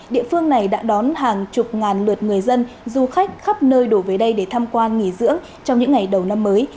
địa phương này đã đón hàng chục ngàn lượt người dân du khách khắp nơi đổ về đây để tham quan nghỉ dưỡng trong những ngày đầu năm mới